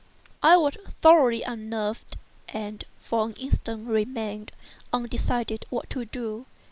I was thoroughly unnerved, and for an instant remained undecided what to do.